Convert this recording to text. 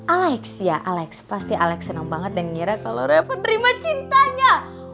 alex ya alex pasti alex senang banget dan ngira kalori aku terima cintanya